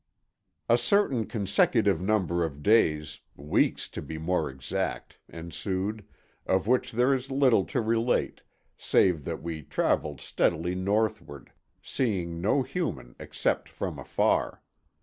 A certain consecutive number of days—weeks, to be more exact—ensued, of which there is little to relate, save that we travelled steadily northward, seeing no human except from afar.